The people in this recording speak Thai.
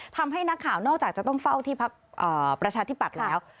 ทำให้นักข่าวนอกจากจะต้องเฝ้าที่พักประชาธิปัตย์แล้ว